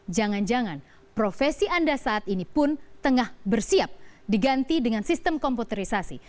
jangan jangan profesi anda saat ini pun tengah bersiap diganti dengan sistem komputerisasi